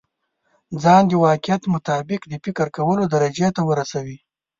ځان د واقعيت مطابق د فکر کولو درجې ته ورسوي.